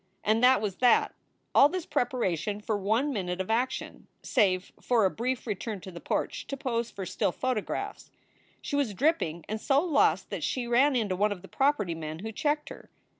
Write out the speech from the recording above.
And that was that . All this preparation for one minute of action save for a brief return to the porch to pose for still photographs. She was dripping and so lost that she ran into one of the property men, who checked her.